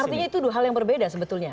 artinya itu dua hal yang berbeda sebetulnya